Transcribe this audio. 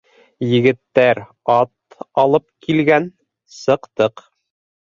Егеттәр ат алып килгән, сыҡтыҡ.